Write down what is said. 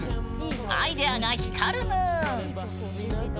アイデアが光るぬーん！